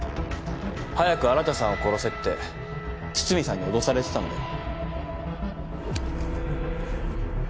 早く新さんを殺せって堤さんに脅されてたんだよ。